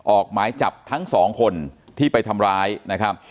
ออกหมายจับทั้งสองคนที่ไปทำร้ายนะครับ